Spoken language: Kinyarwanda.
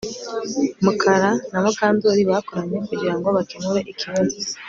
Mukara na Mukandoli bakoranye kugirango bakemure ikibazo